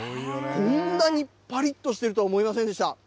こんなにぱりっとしているとは思いませんでした。